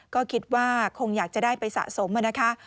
ก็คิดว่าคงอยากจะได้ไปสะสมนะคะ